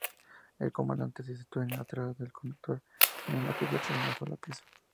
El comandante se sitúa atrás del conductor en una cubierta de una sola pieza.